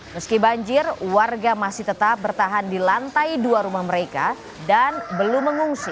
meski banjir warga masih tetap bertahan di lantai dua rumah mereka dan belum mengungsi